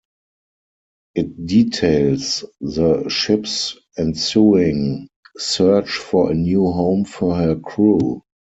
It details the ship's ensuing search for a new home for her crew.